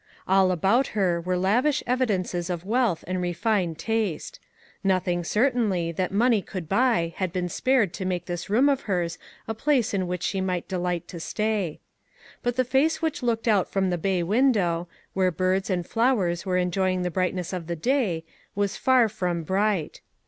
All about her were lavish evidences of wealth and refined taste. Nothing, certainly, that money could buy had been spared to make this room of hers a place in which she might delight to stay. But the face which looked out from the bay window, where birds and flowers were enjoying the brightness of the day, was far from bright.